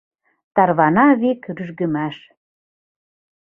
Тарвана вик рӱжгымаш: